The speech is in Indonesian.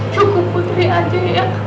cukup putri aja ya